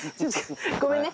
ごめんね。